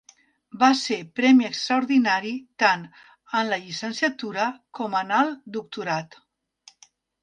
Va ser premi extraordinari tant en la llicenciatura com en el doctorat.